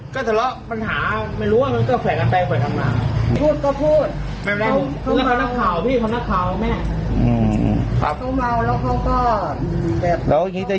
ก็ทะเลาะปัญหาไม่รู้ว่าก็แฝดกันไปแฝดกันมา